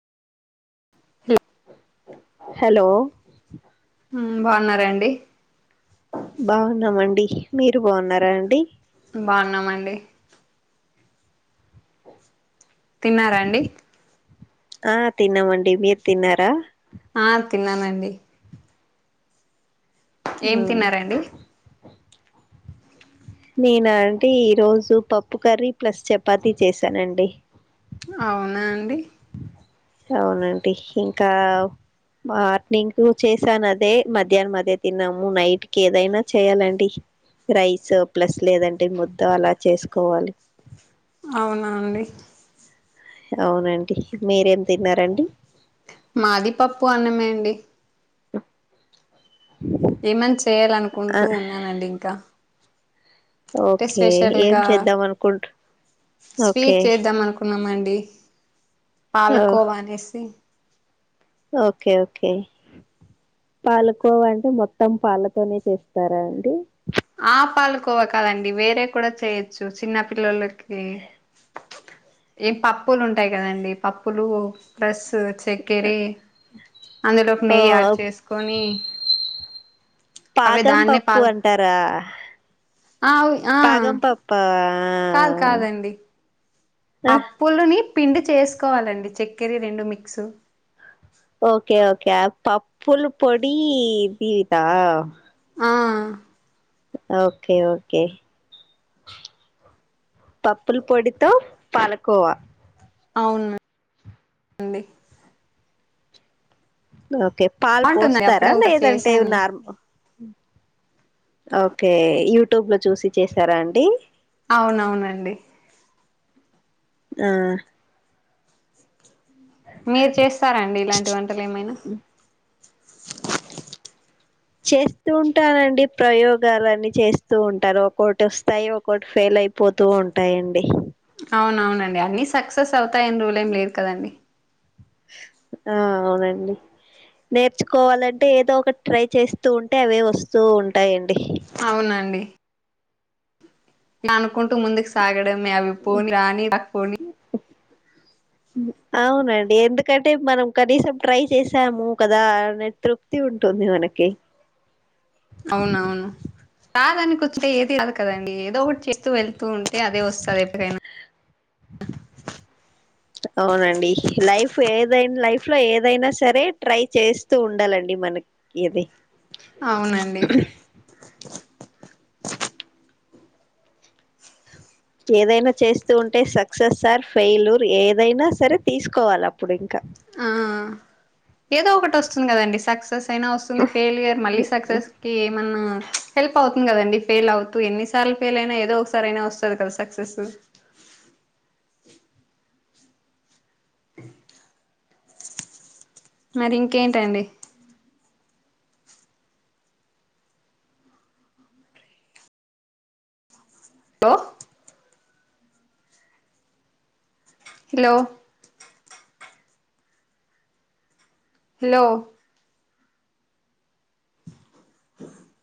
Hello ఉమ్ బావున్నారా అండి బాగున్నామండి మీరు బావున్నారా అండి బావున్నామండి తిన్నారా అండి ఆ తిన్నామండి మీరు తిన్నారా ఆ తిన్నానండి ఏం ఉమ్. తిన్నారండి నేనాంటీ ఈ రోజు పప్పు కర్రీ ప్లస్ చపాతీ చేసానండి అవునా అండి అవునండి ఇంకా మార్నింగ్ చేశాను అదే మధ్యాహ్నం అదే తిన్నాము నైట్ కి ఏదైనా చేయాలండి రైస్ ప్లస్ లేదంటే ముద్ద అలా చేసుకోవాలి అవునా అండి అవునండి మీరేం తిన్నారండి మాది పప్పు అన్నమే అండి అ ఏమన్న్ ఆ, చేయాలనుకుంటూ ఉన్నానండి ఇంకా అంటే ఓకే ఏం స్పెషల్గా చేద్దాం అనుకుంటు ఓకే స్వీట్ చేద్దాం అనుకున్నామండి ఏయ్ ఓ, పాలకోవా అనేసి ఓకే ఓకే పాలుకోవ అంటే మొత్తం పాలతోనే చేస్తారా అండి ఆ పాలకోవ కదండి వేరే కూడా చేయొచ్చు చిన్న పిల్లలకి ఏం పప్పులు ఉంటాయి కదండి పప్పులు ప్లస్ చక్కరీ అందులోకి ఓ నెయ్యి యాడ్ చేసుకొని అవే పాదం దాన్నే పప్పు పాల్ అంటారా ఆ ఉన్ఆ కాదు పాగం పప్ప కాదు కాదండి ఆ అప్పులుని పిండి చేసుకోవాలండి చక్కెరీ రెండు మిక్సు ఓకే ఓకే ఆ పప్పులు పొడి దీతా ఆ ఓకే ఓకే పప్పుల పొడితో పాలకోవా ఆవును అండి ఓకే పాల్ బాగుంటుందండి పోస్తారా అప్పుడే ఒకసారి లేదంటే చేశాను నార్మల్ ఓకే యూట్యూబ్ లో చూసి చేసారా అండి అవునవును అండి ఆ మీరు చేస్తారండి ఇలాంటి వంటలు ఏమైనా చేస్తూ ఉంటానండి ప్రయోగాలన్ని చేస్తూ ఉంటారు ఓక్కొటి వస్తాయి ఒకొటి ఫెయిల్ అయిపోతూ ఉంటాయండి అవునవును అండి అన్ని సక్సెస్ అవుతాయని రూల్ ఏం లేదు కదండి ఆ అవునండి నేర్చుకోవాలంటే ఏదో ఒకటి ట్రై చేస్తూ ఉంటే అవే వస్తూ ఉంటాయండి అవునండి నానుకుంటూ ముందుకు సాగడమే అవి పోని రాని రాకపోని అవునండి ఎందుకంటే మనం కనీసం ట్రై చేసాము కదా అనే తృప్తి ఉంటు ఉంది మనకి అవును అవును రాదు అని కూర్చుంటే ఏది రాదు కాదా కదండి ఏదో ఒకటి చేస్తూ వెళ్తూ ఉం తే అదే వస్తది ఎప్పుడైనా అవునండి లైఫ్ ఏదై లైఫ్ లో ఏదైనా సరే ట్రై చేస్తూ ఉండాలండి మన ఇది అవునండి ఏదైనా చేస్తూ ఉంటే సక్సెస్ సార్ ఫెయిలూర్ ఏదైనా సరే తీసుకోవాలి అప్పుడు ఇంకా ఆ ఏదో ఒకటి వస్తుంది కదండి సక్సెస్ తైనా వస్తుంది ఫెయిల్యర్ మళ్ళీ సక్సెస్ కి ఏమన్నా హెల్ప్ అవుతుంది కదండి ఫెయిల్ అవుతూ ఎన్నిసార్లు ఫెయిల్ అయినా ఏదో ఒకసారి అయినా వస్తుంది కదా సక్సెస్ అ మరి ఇంకేంటి అండి లో హలో హలో